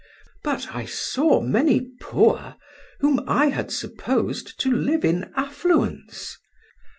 But I saw many poor whom I had supposed to live in affluence.